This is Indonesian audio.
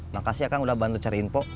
makasih kang udah bantu cari info